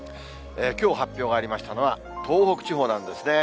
きょう発表がありましたのは、東北地方なんですね。